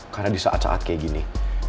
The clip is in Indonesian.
karena di saat saat kayak gini